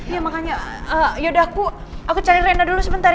iya makanya yaudah aku cari reina dulu sebentar ya